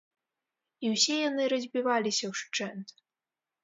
І ўсе яны разбіваліся ўшчэнт.